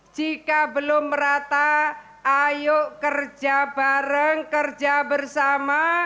jika belum merata ayo kerja bareng kerja bersama